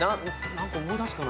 何か思い出すかな？